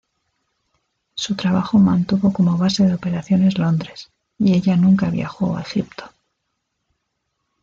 Su trabajo mantuvo como base de operaciones Londres y ella nunca viajó a Egipto.